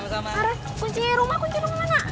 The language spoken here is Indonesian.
kunci rumah mana